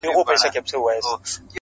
o زما گلاب ،گلاب دلبره نور به نه درځمه.